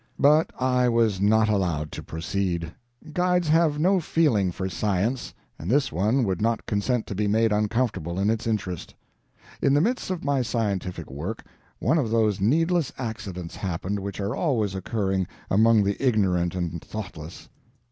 But I was not allowed to proceed. Guides have no feeling for science, and this one would not consent to be made uncomfortable in its interest. In the midst of my scientific work, one of those needless accidents happened which are always occurring among the ignorant and thoughtless.